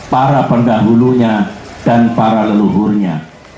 para pendahulunya dan para leluhurnya